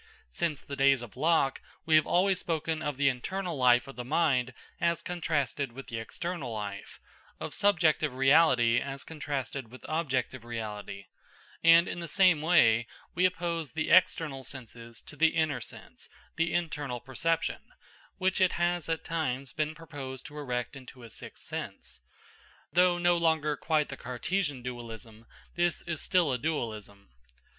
Since the days of Locke, we have always spoken of the internal life of the mind as contrasted with the external life, of subjective reality as contrasted with objective reality; and in the same way we oppose the external senses to the inner sense (the internal perception), which it has at times been proposed to erect into a sixth sense. Though no longer quite the Cartesian dualism, this is still a dualism.